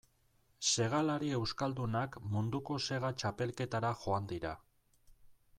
Segalari euskaldunak munduko sega txapelketara joan dira.